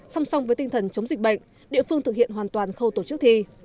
song song với tinh thần chống dịch bệnh địa phương thực hiện hoàn toàn khâu tổ chức thi